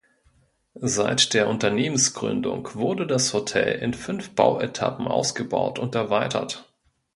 Seit der Unternehmensgründung wurde das Hotel in fünf Bauetappen ausgebaut und erweitert.